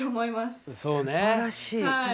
すばらしい。